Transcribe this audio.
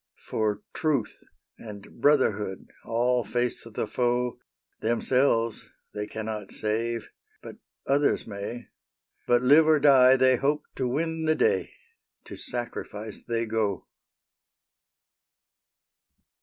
For truth and brotherhood all face the foe; Themselves they cannot save, but others may. But, live or die, they hope to win the day. To sacrifice they go!